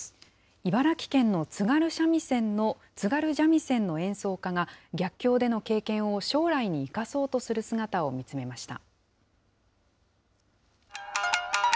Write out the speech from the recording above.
茨城県の津軽三味線の演奏家が、逆境での経験を将来に生かそうとする姿を見つめました。